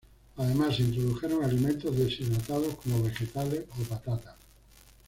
Además, se introdujeron alimentos deshidratados, como vegetales o patatas.